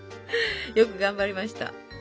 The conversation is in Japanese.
よく頑張りました。